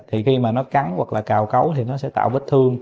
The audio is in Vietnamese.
thì khi mà nó cắn hoặc là cào cấu thì nó sẽ tạo vết thương